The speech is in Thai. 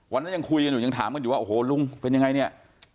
วันนั้นยังคุยกันอยู่ยังถามกันอยู่ว่าโอ้โหลุงเป็นยังไงเนี่ย